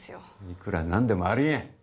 いくら何でもありえん